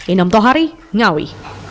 inom tohari ngawi